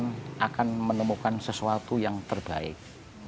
kita akan menemukan sesuatu yang terbaik